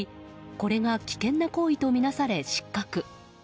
これが危険な行為とみなされ失格。